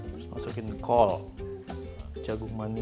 terus masukin kol jagung manis